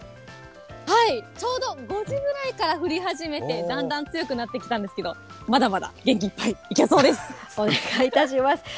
はい、ちょうど５時ぐらいから降り始めて、だんだん強くなってきたんですけど、まだまだ元気お願いいたします。